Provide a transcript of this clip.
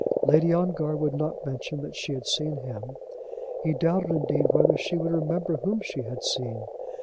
Lady Ongar would not mention that she had seen him. He doubted, indeed, whether she would remember whom she had seen.